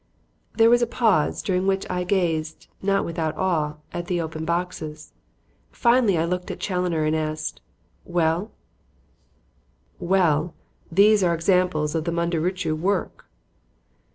"" There was a pause, during which I gazed, not without awe, at the open boxes. Finally I looked at Challoner and asked, "Well?" "Well, these are examples of the Mundurucú work."